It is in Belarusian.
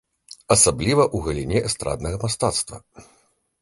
Асабліва ў галіне эстраднага мастацтва.